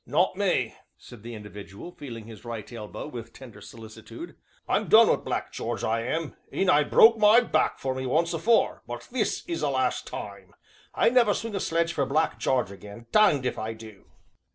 "Not me," said that individual, feeling his right elbow with tender solicitude. "I'm done wi' Black Jarge, I am. 'E nigh broke my back for me once afore, but this is the last time; I never swing a sledge for Black Jarge again danged if I du!"